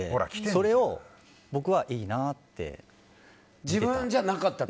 それを僕はいいなって見てた。